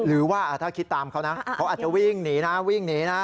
หรือว่าถ้าคิดตามเขานะเขาอาจจะวิ่งหนีนะ